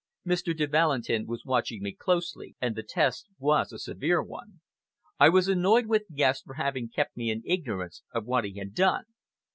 Mr. de Valentin was watching me closely, and the test was a severe one. I was annoyed with Guest for having kept me in ignorance of what he had done.